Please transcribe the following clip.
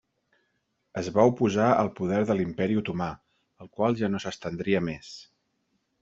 Es va oposar al poder de l'Imperi otomà, el qual ja no s'estendria més.